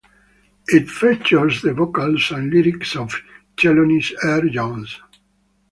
It features the vocals and lyrics of Chelonis R. Jones.